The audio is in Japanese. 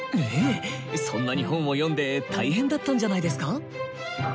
えっそんなに本を読んで大変だったんじゃないですか？